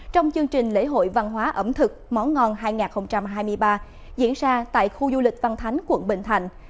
trong chương trình lễ hội văn hóa ẩm thực món ngon hai nghìn hai mươi ba diễn ra tại khu du lịch văn thánh quận bình thạnh